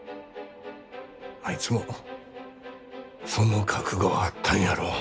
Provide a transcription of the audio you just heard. あいつもその覚悟はあったんやろ。